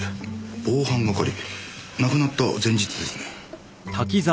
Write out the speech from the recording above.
防犯係亡くなった前日ですね。